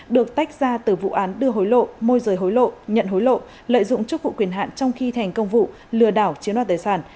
được tách ra từ vụ án đưa hối lộ môi rời hối lộ nhận hối lộ lợi dụng chức vụ quyền hạn trong khi thành công vụ lừa đảo chiếm đoạt tài sản